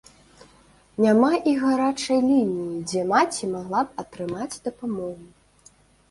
Няма і гарачай лініі, дзе маці магла б атрымаць дапамогу.